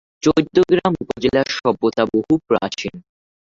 চৌদ্দগ্রাম উপজেলার সভ্যতা বহু প্রাচীন।